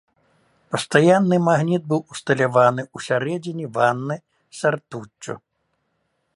Пастаянны магніт быў усталяваны ў сярэдзіне ванны са ртуццю.